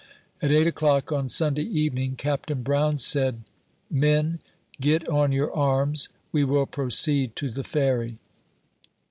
At eight o'clock on Sunday evening, Captain Brown said :" Men, get on your arms ; we will proceed to the Ferry."